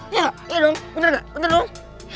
ya iya dong bener gak bener dong